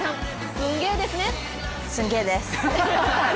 すんげぇです！